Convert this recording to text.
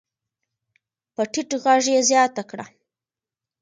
په ټيټ غږ يې زياته کړه.